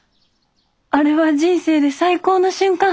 あれは人生で最高の瞬間。